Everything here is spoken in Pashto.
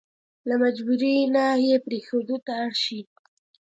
له مجبوري نه يې پرېښودو ته اړ شي.